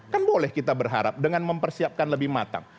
kan boleh kita berharap dengan mempersiapkan lebih matang